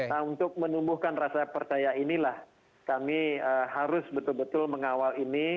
nah untuk menumbuhkan rasa percaya inilah kami harus betul betul mengawal ini